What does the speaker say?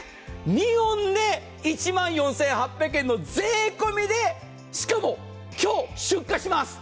２本で１万４８００円の税込みでしかも今日出荷します。